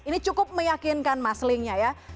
ini cukup meyakinkan mas lingnya ya